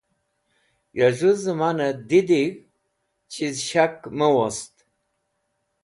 Ya z̃hũ zẽminẽ didig̃hd, chiz shak mẽ wost.